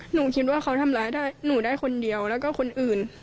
หนูคิดว่าเขาทำร้ายได้หนูได้คนเดียวแล้วก็คนอื่น